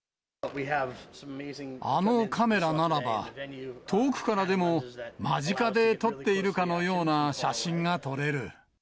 あのカメラならば、遠くからでも間近で撮っているかのような写真が撮れる。